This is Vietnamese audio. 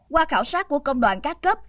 qua khảo sát của công đoàn cát cấp